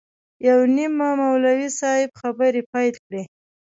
یو نیمه مولوي صاحب خبرې پیل کړې.